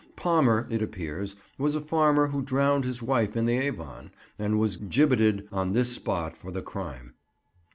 Palmer, it appears, was a farmer who drowned his wife in the Avon, and was gibbeted on this spot for the crime.